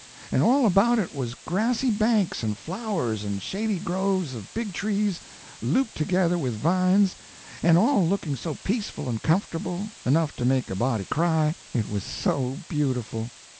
And all about it was grassy banks, and flowers, and shady groves of big trees, looped together with vines, and all looking so peaceful and comfortable—enough to make a body cry, it was so beautiful.